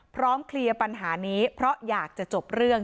เคลียร์ปัญหานี้เพราะอยากจะจบเรื่อง